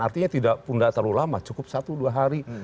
artinya tidak punda terlalu lama cukup satu dua hari